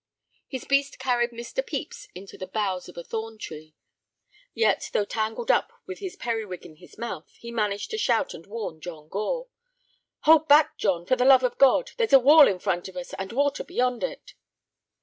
His beast carried Mr. Pepys into the boughs of a thorn tree, yet, though tangled up with his periwig in his mouth, he managed to shout and warn John Gore. "Hold back, John, for the love of God! There's a wall in front of us, and water beyond it."